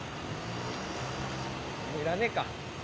もう要らねえか。